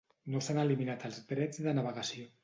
No s'han eliminat els drets de navegació.